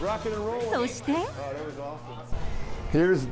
そして。